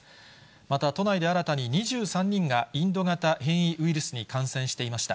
また、都内で新たに２３人がインド型変異ウイルスに感染していました。